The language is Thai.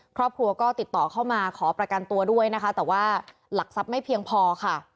ครอบครัวก็ติดต่อเข้ามาขอประกันตัวด้วยนะคะแต่ว่าหลักทรัพย์ไม่เพียงพอค่ะ